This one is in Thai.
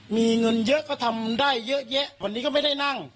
มีเงินเยอะก็ทำได้เยอะแยะวันนี้ก็ไม่ได้นั่ง